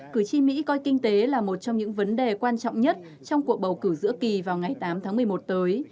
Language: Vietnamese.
cử tri mỹ coi kinh tế là một trong những vấn đề quan trọng nhất trong cuộc bầu cử giữa kỳ vào ngày tám tháng một mươi một tới